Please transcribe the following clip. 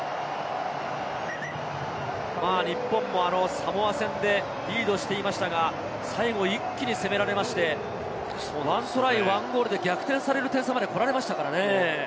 日本もサモア戦でリードしていましたが、最後一気に攻められまして、１トライ１ゴールで逆転される点差までこられましたからね。